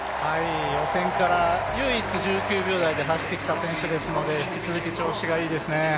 予選から唯一１９秒台で走ってきた選手ですから引き続き調子がいいですね。